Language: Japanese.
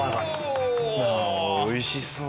おいしそう！